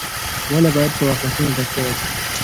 ولي بايد په واقعيتونو تکيه وکړو؟